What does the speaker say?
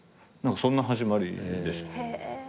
そんな始まりです。